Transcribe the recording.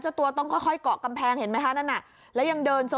เจ้าตัวต้องค่อยเกาะกำแพงเห็นไหมคะฮาะนั้นน่ะ